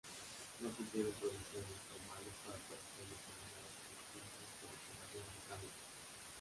No se hicieron provisiones formales para operaciones combinadas con la Fuerza Expedicionaria Británica.